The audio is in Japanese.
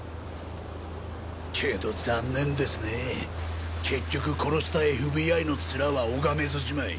けど残念ですねぇ結局殺したＦＢＩのツラは拝めずじまい。